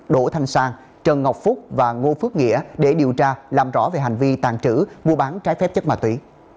đỗ thanh sang trần ngọc phúc và ngô phước nghĩa để điều tra làm rõ về hành vi tàn trữ mua bán trái phép chất ma túy